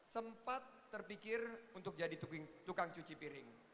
sempat terpikir untuk jadi tukang cuci piring